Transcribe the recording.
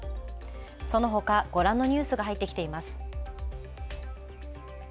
そのほか、ご覧のようなニュースが入ってきています。